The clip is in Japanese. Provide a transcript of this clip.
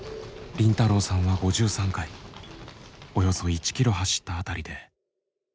凜太郎さんは５３回およそ１キロ走った辺りで倒れました。